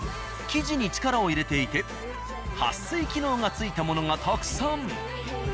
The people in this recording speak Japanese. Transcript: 生地に力を入れていて撥水機能がついたものがたくさん。